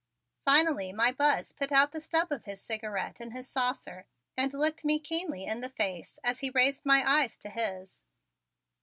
Finally my Buzz put out the stub of his cigarette in his saucer and looked me keenly in the face as I raised my eyes to his.